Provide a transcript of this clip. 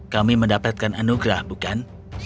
kami mendapatkan anugerah bukan